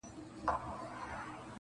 • په دوس کلي کي مېلمه مشر وي -